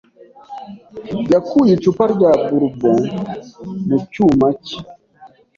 yakuye icupa rya bourbon mu cyuma cye.